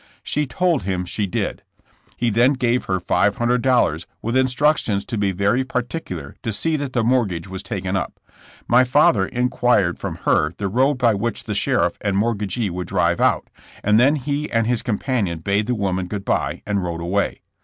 She told him she did. He then gave her five hundred dollars, with instructions to be very partic idar to see that the mortgage was taken up. My father inquired from her the road by which the sheriff and mortgagee would drive out, and then he and his companion bade the woman good bye and rode away.